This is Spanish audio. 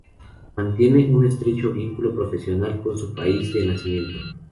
Mantiene un estrecho vínculo profesional con su país de nacimiento.